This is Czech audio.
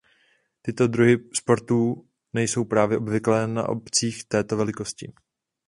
Tyto druhy sportů nejsou právě obvyklé na obcích této velikosti.